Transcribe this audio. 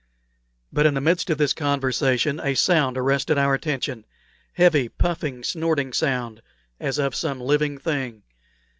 But in the midst of this conversation a sound arrested our attention heavy, puffing, snorting sound, as of some living thing.